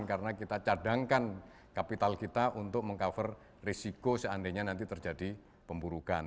karena kita cadangkan kapital kita untuk mengcover risiko seandainya nanti terjadi pemburukan